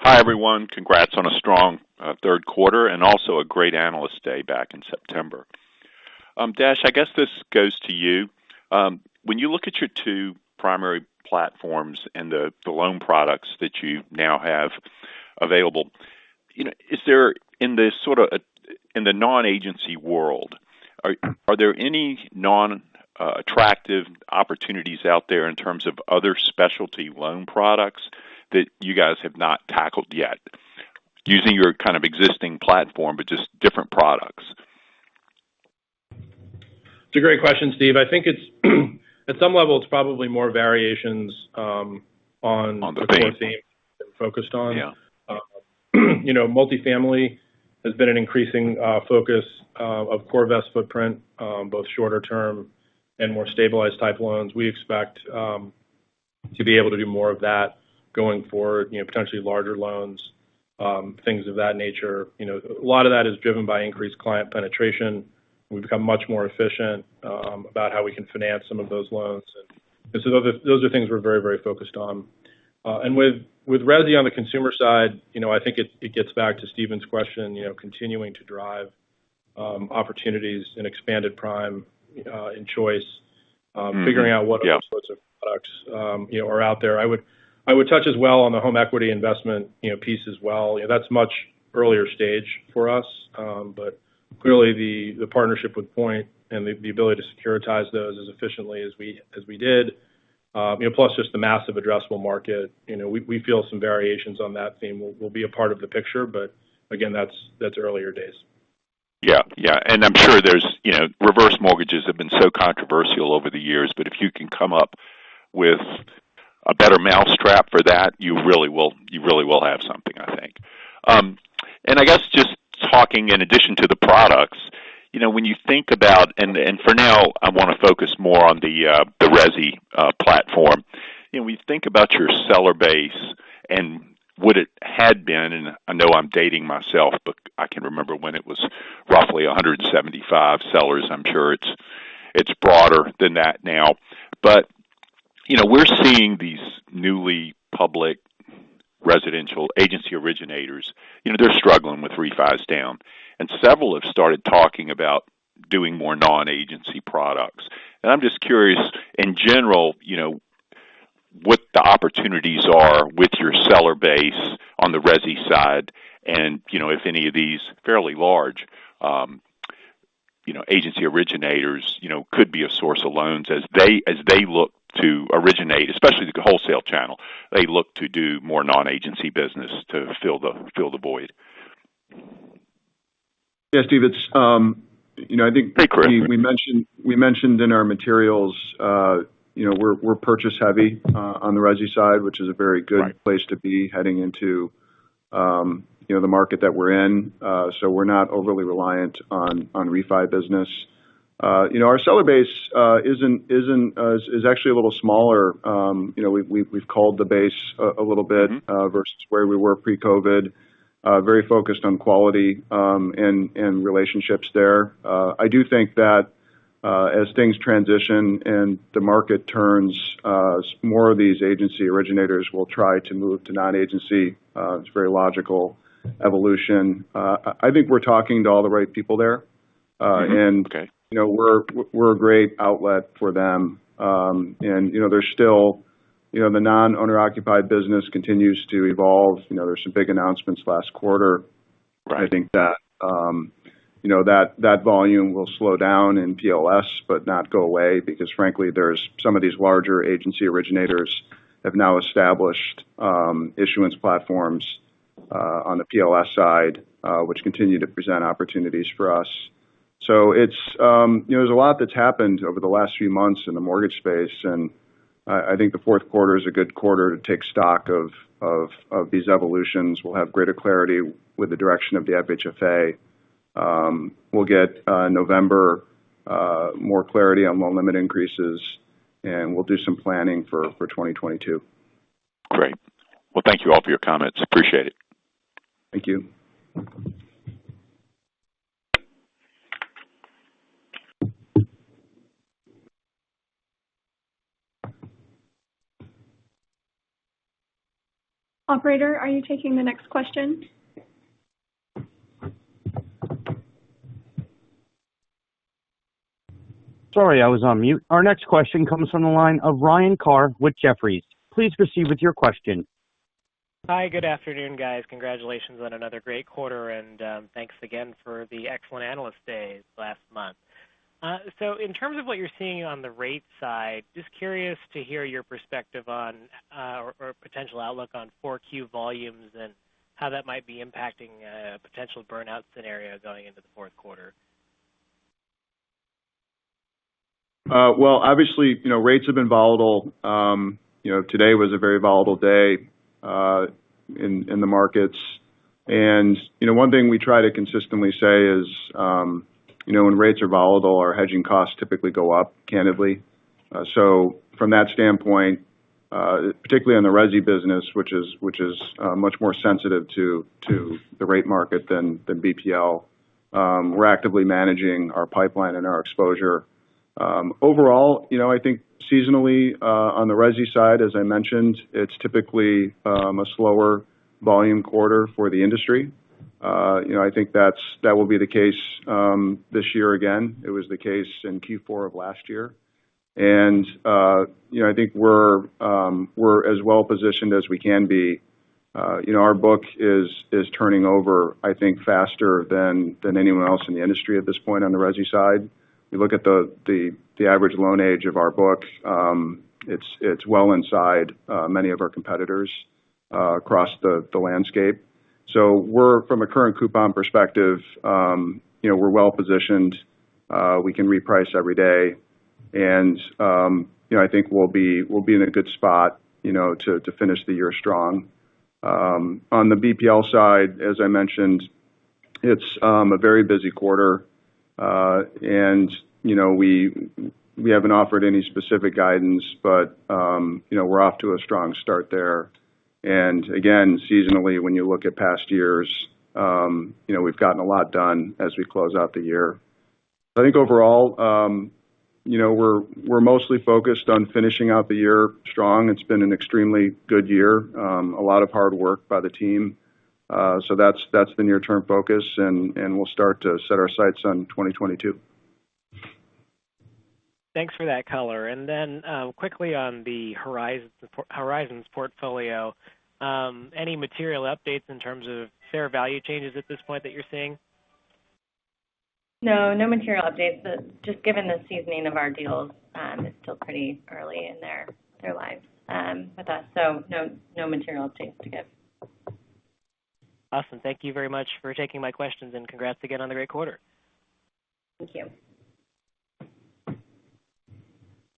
Hi, everyone. Congrats on a strong third quarter and also a great Investor Day back in September. Dash, I guess this goes to you. When you look at your two primary platforms and the loan products that you now have available, you know, is there in this sort of in the non-agency world are there any attractive opportunities out there in terms of other specialty loan products that you guys have not tackled yet using your kind of existing platform, but just different products? It's a great question, Steve. I think it's, at some level, it's probably more variations... On the theme ...on the theme we've been focused on. Yeah. You know, multifamily has been an increasing focus of CoreVest footprint, both shorter term and more stabilized type loans. We expect to be able to do more of that going forward, you know, potentially larger loans, things of that nature. You know, a lot of that is driven by increased client penetration. We've become much more efficient about how we can finance some of those loans. Those are things we're very focused on. With resi on the consumer side, you know, I think it gets back to Steven's question, you know, continuing to drive opportunities in expanded prime in Choice- Mm-hmm. Yeah... figuring out what other sorts of products, you know, are out there. I would touch as well on the home equity investment, you know, piece as well. You know, that's much earlier stage for us. But clearly the partnership with Point and the ability to securitize those as efficiently as we did, you know, plus just the massive addressable market. You know, we feel some variations on that theme will be a part of the picture, but again, that's earlier days. Yeah. Yeah. I'm sure there's, you know, reverse mortgages have been so controversial over the years, but if you can come up with a better mousetrap for that, you really will have something, I think. I guess just talking in addition to the products, you know, when you think about for now, I wanna focus more on the resi platform. You know, when you think about your seller base and what it had been, and I know I'm dating myself, but I can remember when it was roughly 175 sellers. I'm sure it's broader than that now. You know, we're seeing these newly public residential agency originators. You know, they're struggling with refis down, and several have started talking about doing more non-agency products. I'm just curious, in general, you know, what the opportunities are with your seller base on the resi side, and, you know, if any of these fairly large, you know, agency originators, you know, could be a source of loans as they look to originate, especially the wholesale channel, they look to do more non-agency business to fill the void. Yeah, Steve, it's, you know, I think- Great We mentioned in our materials, you know, we're purchase heavy on the resi side, which is a very good- Right... place to be heading into, you know, the market that we're in. We're not overly reliant on refi business. You know, our seller base is actually a little smaller. You know, we've culled the base a little bit... Mm-hmm ...versus where we were pre-COVID. Very focused on quality, and relationships there. I do think that, as things transition and the market turns, more of these agency originators will try to move to non-agency. It's a very logical evolution. I think we're talking to all the right people there. Mm-hmm. Okay You know, we're a great outlet for them. You know, the non-owner occupied business continues to evolve. You know, there's some big announcements last quarter. Right. I think that, you know, that volume will slow down in PLS, but not go away because frankly, some of these larger agency originators have now established issuance platforms on the PLS side, which continue to present opportunities for us. It's you know, there's a lot that's happened over the last few months in the mortgage space, and I think the fourth quarter is a good quarter to take stock of these evolutions. We'll have greater clarity with the direction of the FHFA. We'll get November more clarity on loan limit increases, and we'll do some planning for 2022. Great. Well, thank you all for your comments. Appreciate it. Thank you. Operator, are you taking the next question? Sorry, I was on mute. Our next question comes from the line of Ryan Carr with Jefferies. Please proceed with your question. Hi, good afternoon, guys. Congratulations on another great quarter, and thanks again for the excellent Investor Day last month. In terms of what you're seeing on the rate side, just curious to hear your perspective on or potential outlook on 4Q volumes and how that might be impacting potential burnout scenario going into the fourth quarter. Well, obviously, you know, rates have been volatile. You know, today was a very volatile day in the markets. You know, one thing we try to consistently say is, you know, when rates are volatile, our hedging costs typically go up candidly. So from that standpoint, particularly on the resi business, which is much more sensitive to the rate market than BPL. We're actively managing our pipeline and our exposure. Overall, you know, I think seasonally, on the resi side, as I mentioned, it's typically a slower volume quarter for the industry. You know, I think that will be the case this year again. It was the case in Q4 of last year. You know, I think we're as well-positioned as we can be. You know, our book is turning over, I think, faster than anyone else in the industry at this point on the resi side. You look at the average loan age of our book, it's well inside many of our competitors across the landscape. So we're from a current coupon perspective, you know, we're well-positioned. We can reprice every day. You know, I think we'll be in a good spot, you know, to finish the year strong. On the BPL side, as I mentioned, it's a very busy quarter. You know, we haven't offered any specific guidance, but, you know, we're off to a strong start there. Again, seasonally, when you look at past years, you know, we've gotten a lot done as we close out the year. I think overall, you know, we're mostly focused on finishing out the year strong. It's been an extremely good year, a lot of hard work by the team. That's the near-term focus, and we'll start to set our sights on 2022. Thanks for that color. Quickly on the Horizons portfolio, any material updates in terms of fair value changes at this point that you're seeing? No, no material updates. Just given the seasoning of our deals, it's still pretty early in their lives with us. No, no material updates to give. Awesome. Thank you very much for taking my questions, and congrats again on the great quarter. Thank you.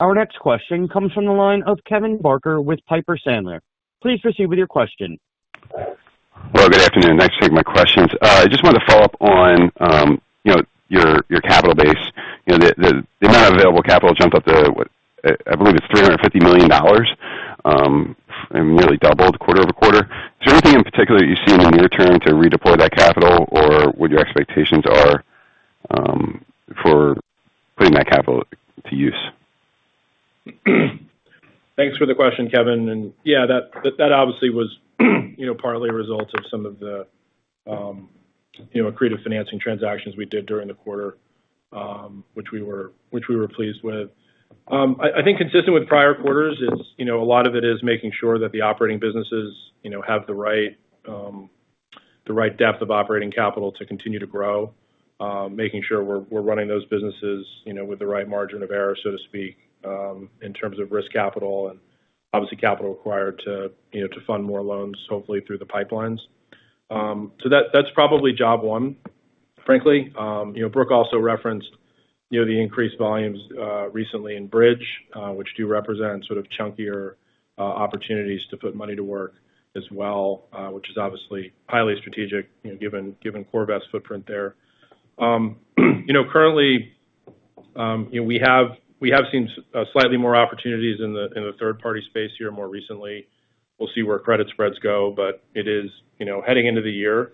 Our next question comes from the line of Kevin Barker with Piper Sandler. Please proceed with your question. Well, good afternoon. Thanks for taking my questions. I just wanted to follow up on, you know, your capital base. You know, the amount of available capital jumped up there, what, I believe it's $350 million, and nearly doubled quarter-over-quarter. Is there anything in particular you see in the near term to redeploy that capital or what your expectations are, for putting that capital to use? Thanks for the question, Kevin. Yeah, that obviously was you know, partly a result of some of the, you know, creative financing transactions we did during the quarter, which we were pleased with. I think consistent with prior quarters is, you know, a lot of it is making sure that the operating businesses, you know, have the right depth of operating capital to continue to grow. Making sure we're running those businesses, you know, with the right margin of error, so to speak, in terms of risk capital and obviously capital required to, you know, to fund more loans, hopefully through the pipelines. That's probably job one, frankly. You know, Brooke also referenced, you know, the increased volumes recently in Bridge, which do represent sort of chunkier opportunities to put money to work as well, which is obviously highly strategic, you know, given CoreVest footprint there. Currently, we have seen slightly more opportunities in the third-party space here more recently. We'll see where credit spreads go. It is heading into the year.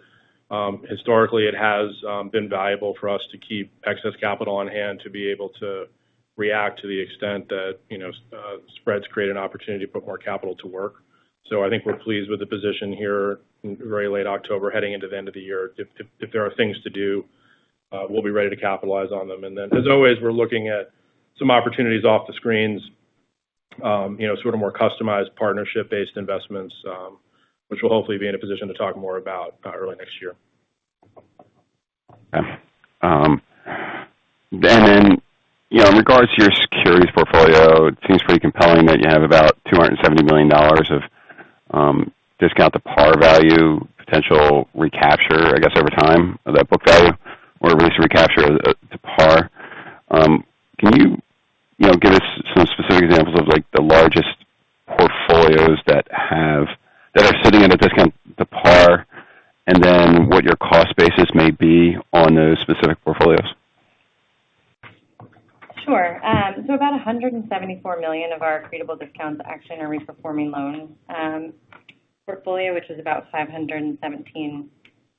Historically, it has been valuable for us to keep excess capital on hand to be able to react to the extent that spreads create an opportunity to put more capital to work. I think we're pleased with the position here in very late October, heading into the end of the year. If there are things to do, we'll be ready to capitalize on them. As always, we're looking at some opportunities off the screens, you know, sort of more customized partnership-based investments, which we'll hopefully be in a position to talk more about, early next year. Okay, you know, in regards to your securities portfolio, it seems pretty compelling that you have about $270 million of discount to par value, potential recapture, I guess, over time of that book value or at least recapture to par. Can you know, give us some specific examples of, like, the largest portfolios that are sitting at a discount to par, and then what your cost basis may be on those specific portfolios? Sure, about $174 million of our accretable discounts actually in our reperforming loans portfolio, which is about $517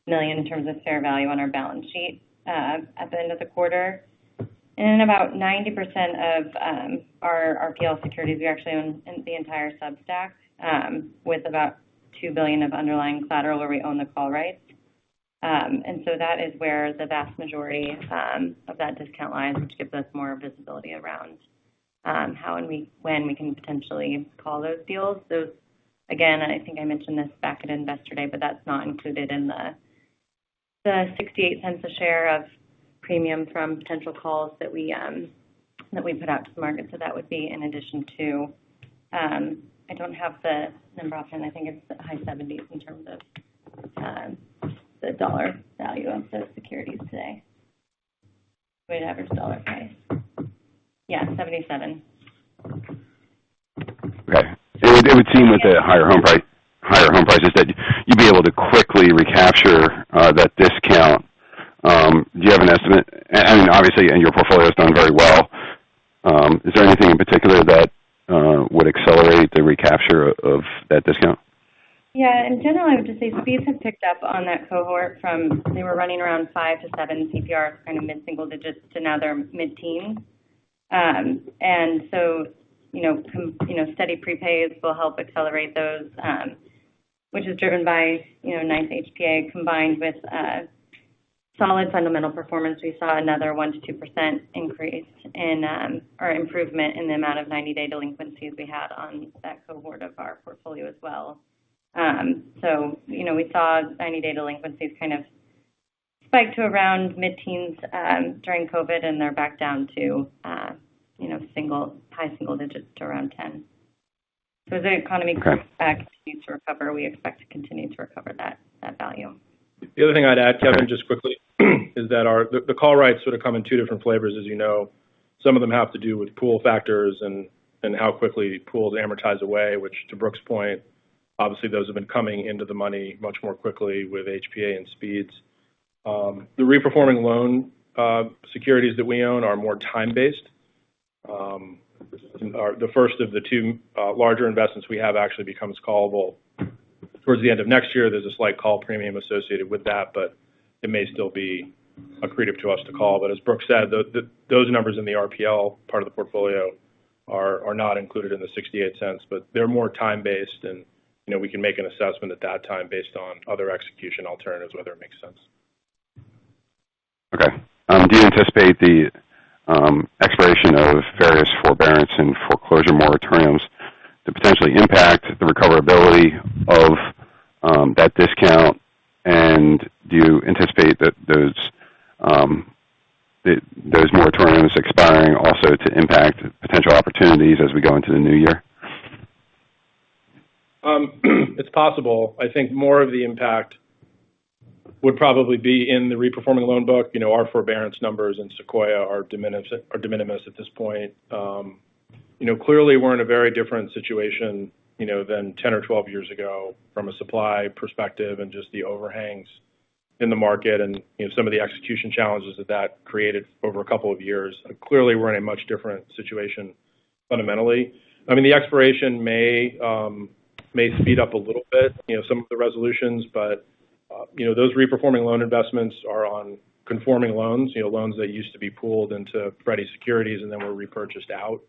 million in terms of fair value on our balance sheet at the end of the quarter. About 90% of our RPL securities we actually own in the entire sub stack with about $2 billion of underlying collateral where we own the call rights. That is where the vast majority of that discount lies, which gives us more visibility around how when we can potentially call those deals. Again, I think I mentioned this back at Investor Day, but that's not included in the $0.68 a share of premium from potential calls that we put out to the market. That would be in addition to, I don't have the number offhand. I think it's high $70s in terms of the dollar value of the securities today. We had average dollar price. Yeah, $77. Okay. It would seem with the higher home prices that you'd be able to quickly recapture that discount. Do you have an estimate? Obviously, your portfolio has done very well. Is there anything in particular that would accelerate the recapture of that discount? Yeah. In general, I would just say speeds have picked up on that cohort from they were running around five to seven CPR, kind of mid-single digits to now they're mid-teen. You know, steady prepays will help accelerate those, which is driven by, you know, nice HPA combined with solid fundamental performance. We saw another 1%-2% increase in, or improvement in the amount of 90-day delinquencies we had on that cohort of our portfolio as well. You know, we saw 90-day delinquencies kind of spike to around mid-teens during COVID, and they're back down to, you know, high single digits to around 10. As the economy comes back and continues to recover, we expect to continue to recover that value. The other thing I'd add, Kevin, just quickly, is that our call rights sort of come in two different flavors, as you know. Some of them have to do with pool factors and how quickly pools amortize away, which to Brooke's point, obviously those have been coming into the money much more quickly with HPA and speeds. The reperforming loan securities that we own are more time-based. Our first of the two larger investments we have actually becomes callable towards the end of next year. There's a slight call premium associated with that, but it may still be accretive to us to call. As Brooke said, those numbers in the RPL part of the portfolio are not included in the $0.68, but they're more time-based, and, you know, we can make an assessment at that time based on other execution alternatives, whether it makes sense. Okay. Do you anticipate the expiration of various forbearance and foreclosure moratoriums to potentially impact the recoverability of that discount? Do you anticipate that those moratoriums expiring also to impact potential opportunities as we go into the new year? It's possible. I think more of the impact would probably be in the reperforming loan book. You know, our forbearance numbers in Sequoia are de minimis at this point. You know, clearly we're in a very different situation, you know, than 10 or 12 years ago from a supply perspective and just the overhangs in the market and, you know, some of the execution challenges that created over a couple of years. Clearly we're in a much different situation fundamentally. I mean, the expiration may speed up a little bit, you know, some of the resolutions, but, you know, those reperforming loan investments are on conforming loans, you know, loans that used to be pooled into Freddie securities and then were repurchased out.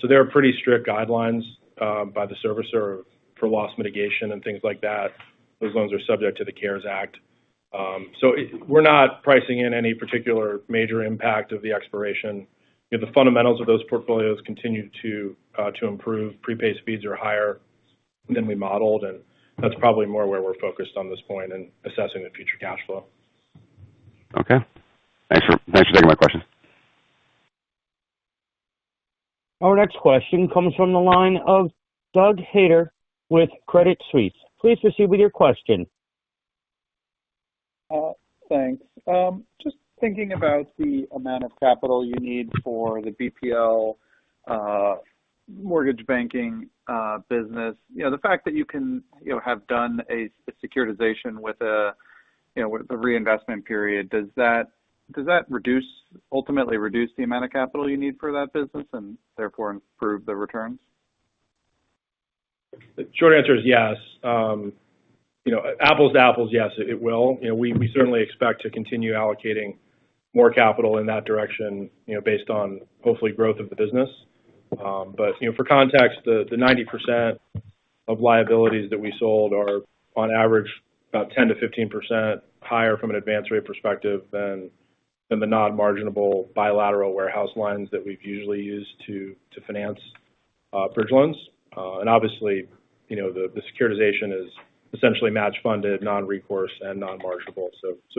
So there are pretty strict guidelines by the servicer for loss mitigation and things like that. Those loans are subject to the CARES Act. We're not pricing in any particular major impact of the expiration. The fundamentals of those portfolios continue to improve. Prepay speeds are higher than we modeled, and that's probably more where we're focused on this point in assessing the future cash flow. Okay. Thanks for taking my question. Our next question comes from the line of Doug Harter with Credit Suisse. Please proceed with your question. Thanks. Just thinking about the amount of capital you need for the BPL, mortgage banking, business. You know, the fact that you can, you know, have done a securitization with a, you know, with a reinvestment period, does that reduce ultimately the amount of capital you need for that business and therefore improve the returns? The short answer is yes. You know, apples to apples, yes, it will. You know, we certainly expect to continue allocating more capital in that direction, you know, based on, hopefully, growth of the business. You know, for context, the 90% of liabilities that we sold are on average about 10%-15% higher from an advance rate perspective than the non-marginable bilateral warehouse lines that we've usually used to finance bridge loans. Obviously, you know, the securitization is essentially match funded, non-recourse and non-marginable.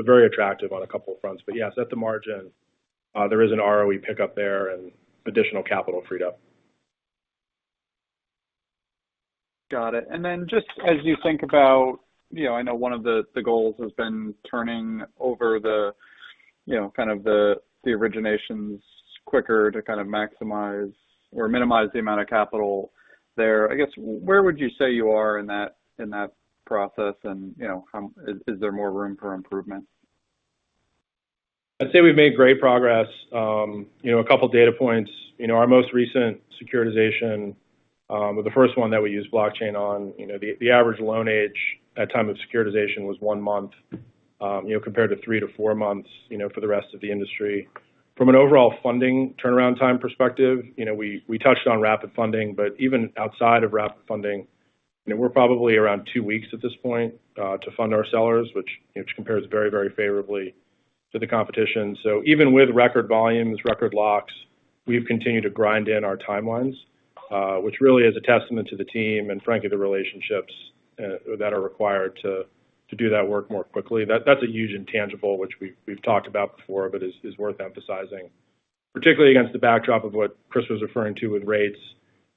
Very attractive on a couple of fronts. Yes, at the margin, there is an ROE pickup there and additional capital freed up. Got it. Just as you think about, you know, I know one of the goals has been turning over the, you know, kind of the originations quicker to kind of maximize or minimize the amount of capital there. I guess, where would you say you are in that process and, you know, how is there more room for improvement? I'd say we've made great progress. You know, a couple data points. You know, our most recent securitization, or the first one that we used blockchain on, you know, the average loan age at time of securitization was one month, you know, compared to three-four months, you know, for the rest of the industry. From an overall funding turnaround time perspective, you know, we touched on rapid funding, but even outside of rapid funding, you know, we're probably around two weeks at this point to fund our sellers, which compares very, very favorably to the competition. Even with record volumes, record locks, we've continued to grind in our timelines, which really is a testament to the team and frankly, the relationships that are required to do that work more quickly. That's a huge intangible, which we've talked about before, but is worth emphasizing. Particularly against the backdrop of what Chris was referring to with rates.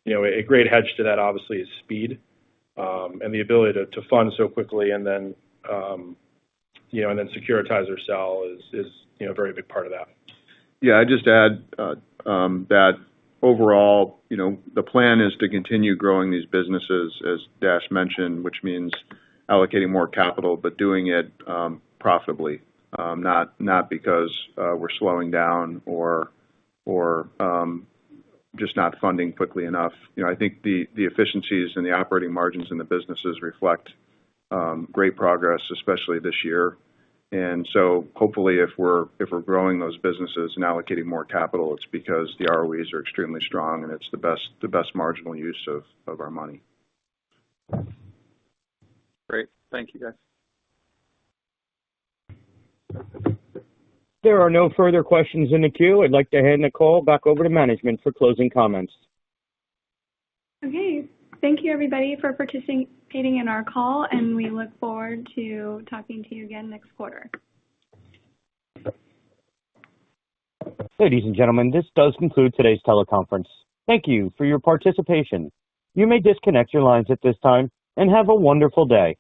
You know, a great hedge to that obviously is speed, and the ability to fund so quickly and then securitize or sell is, you know, a very big part of that. Yeah, I'd just add that overall, you know, the plan is to continue growing these businesses as Dash mentioned, which means allocating more capital but doing it profitably. Not because we're slowing down or just not funding quickly enough. You know, I think the efficiencies and the operating margins in the businesses reflect great progress, especially this year. Hopefully, if we're growing those businesses and allocating more capital, it's because the ROEs are extremely strong, and it's the best marginal use of our money. Great. Thank you, guys. There are no further questions in the queue. I'd like to hand the call back over to management for closing comments. Okay. Thank you everybody for participating in our call, and we look forward to talking to you again next quarter. Ladies and gentlemen, this does conclude today's teleconference. Thank you for your participation. You may disconnect your lines at this time, and have a wonderful day.